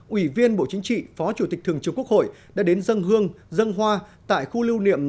ủy viên bộ chính trị phó chủ tịch thường trường quốc hội đã đến dâng hương dâng hoa tại khu lưu niệm